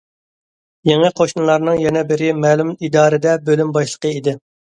يېڭى قوشنىلارنىڭ يەنە بىرى مەلۇم ئىدارىدە بۆلۈم باشلىقى ئىدى.